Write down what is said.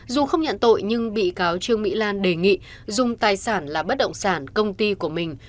dù không nhận tội nhưng bị cáo trương mỹ lan đề nghị dùng tài sản là bất động sản công ty của mình